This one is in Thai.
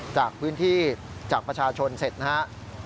จากพื้นที่จากประชาชนเสร็จนะครับ